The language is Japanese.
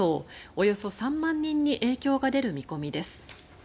およそ３万人に影響が出る見込みです。